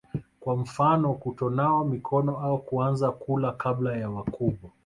kwa mfano kutonawa mikono au kuanza kula kabla ya wakubwa